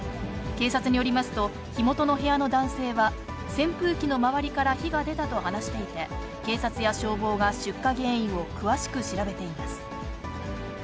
警察によりますと、火元の部屋の男性は、扇風機の周りから火が出たと話していて、警察や消防が出火原因を詳しく調べています。